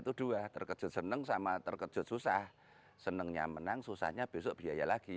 kedua terkejut jenen sama terkejut susah senangnya menang susahnya besok biaya lagi